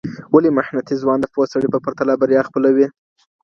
ولي محنتي ځوان د پوه سړي په پرتله بریا خپلوي؟